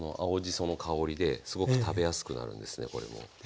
その香りですごく食べやすくなるんですねこれも。